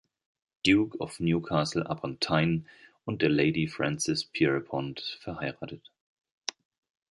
Duke of Newcastle-upon-Tyne, und der Lady Frances Pierrepont, verheiratet.